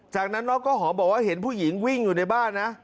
จากนั้นน้องก็หอมบอกว่าเห็นผู้หญิงวิ่งอยู่ในบ้านนะ